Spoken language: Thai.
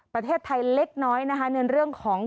ประเทศไทยเล็กน้อยนะคะในเรื่องของ